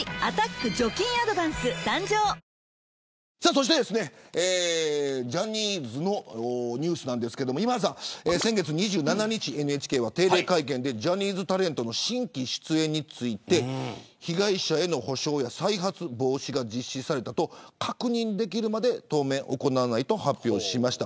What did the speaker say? そしてですねジャニーズのニュースなんですけど今田さん、先月２７日ＮＨＫは定例会見でジャニーズタレントの新規出演について被害者への補償や再発防止が実施されたと確認できるまで当面行わないと発表しました。